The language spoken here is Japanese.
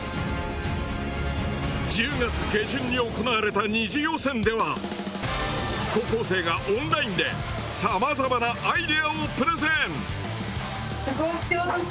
１０月下旬に行われた２次予選では高校生がオンラインでさまざまなアイデアをプレゼン。